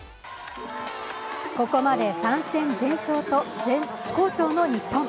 ここまで３戦全勝と絶好調の日本。